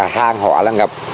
hàng họa có thể ngập